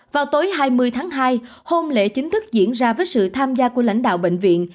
vào tối hai mươi tháng hai hôm lễ chính thức diễn ra với sự tham gia của lãnh đạo bệnh viện